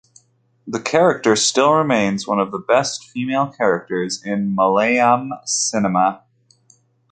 The character still remains one of the best female characters in Malayalam cinema.